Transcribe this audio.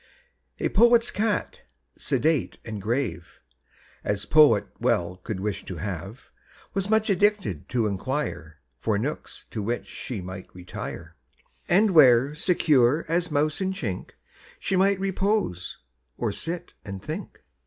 A poet's cat, sedate and grave As poet well could wish to have, Was much addicted to inquire For nooks to which she might retire, And where, secure as mouse in chink, She might repose, or sit and think.